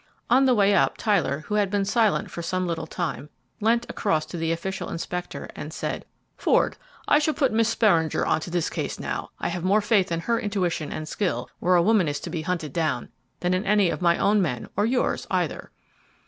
On the way up, Tyler, who had been silent for some little time, leant across to the official inspector and said: "Ford, I shall put Miss Beringer on to this case now. I have more faith in her intuition and skill where a woman is to be hunted down than in any of my own men, or yours either."